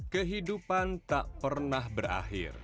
kehidupan tak pernah berakhir